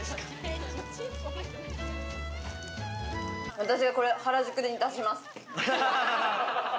私がこれ、原宿に出します。